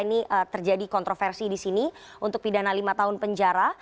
ini terjadi kontroversi disini untuk pidana lima tahun penjara